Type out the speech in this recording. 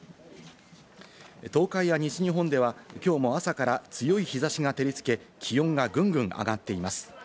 東海や西日本では、きょうも朝から強い日差しが照りつけ、気温がぐんぐん上がっています。